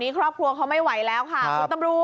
ครอบครัวเขาไม่ไหวแล้วค่ะ